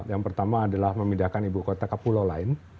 yang pertama adalah memindahkan ibu kota ke pulau lain